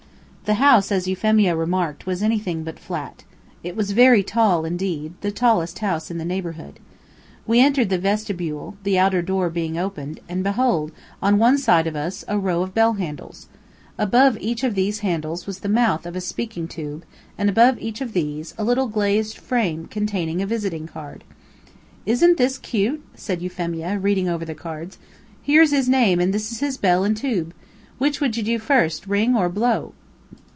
The house, as Euphemia remarked, was anything but flat. It was very tall indeed the tallest house in the neighborhood. We entered the vestibule, the outer door being open, and beheld, on one side of us, a row of bell handles. Above each of these handles was the mouth of a speaking tube, and above each of these, a little glazed frame containing a visiting card. "Isn't this cute?" said Euphemia, reading over the cards. "Here's his name and this is his bell and tube! Which would you do first, ring or blow?"